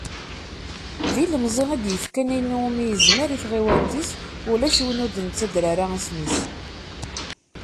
D ilmeẓi, i d-yefkan ayen iwumi yezmer i tɣiwant-is, ulac win ur d-nettader ara isem-is.